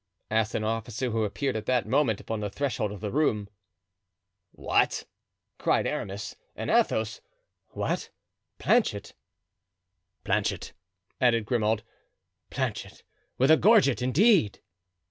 asked an officer who appeared at that moment upon the threshold of the room. "What!" cried Aramis and Athos, "what! Planchet!" "Planchet," added Grimaud; "Planchet, with a gorget, indeed!"